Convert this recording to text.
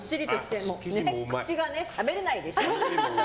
口がね、しゃべれないでしょ。